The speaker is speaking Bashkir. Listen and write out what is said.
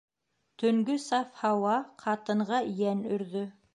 Төнгө саф һауа ҡатынға йән өрҙө.